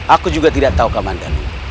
aku juga tidak tahu kaman danu